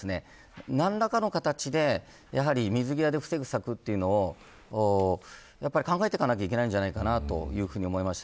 何らかの形で、水際で防ぐ策を考えていかなきゃいけないんじゃないかというふうに思いました。